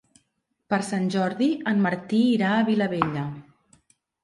Per Sant Jordi en Martí irà a Vilabella.